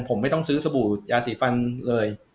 ผมไม่ต้องซื้อสบู่ยาสีฟันเลย